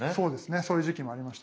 そういう時期もありましたね。